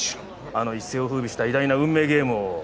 あの一世を風靡した偉大な運命ゲームを。